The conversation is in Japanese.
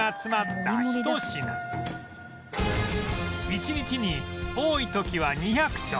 一日に多い時は２００食